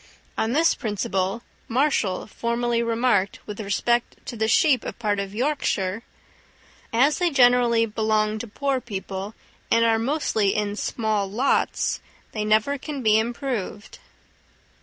On this principle Marshall formerly remarked, with respect to the sheep of part of Yorkshire, "As they generally belong to poor people, and are mostly in small lots, they never can be improved."